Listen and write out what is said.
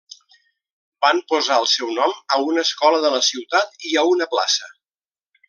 Van posar el seu nom a una escola de la ciutat i a una plaça.